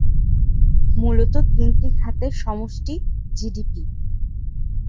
মূলত তিনটি খাতের সমষ্টি জিডিপি।